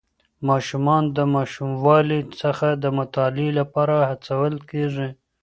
ماشومان د ماشوموالي څخه د مطالعې لپاره هڅول کېږي.